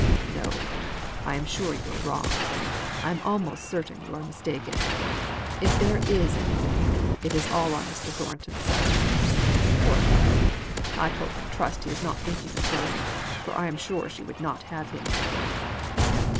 "No, I am sure you are wrong, I am almost certain you are mistaken. If there is anything, it is all on Mr. Thornton's side. Poor fellow! I hope and trust he is not thinking of her, for I am sure she would not have him."